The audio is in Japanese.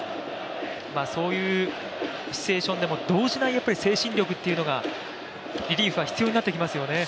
そういうシチュエーションでも動じない精神力というのが、リリーフは必要になってきますよね。